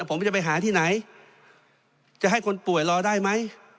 ผมจะไปหาที่ไหนจะให้คนป่วยรอได้ไหม